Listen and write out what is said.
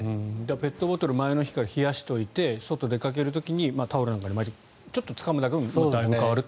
ペットボトルを前の日から冷やしておいて外に出かける時にタオルなんかで巻いてちょっとつかむだけでもだいぶ変わると。